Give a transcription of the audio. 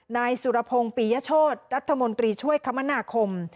นายสุรพงศ์ปียโชธรัฐมนตรีช่วยคมนาคม